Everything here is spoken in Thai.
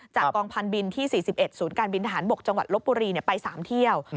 กองพันธบินที่๔๑ศูนย์การบินทหารบกจังหวัดลบบุรีไป๓เที่ยว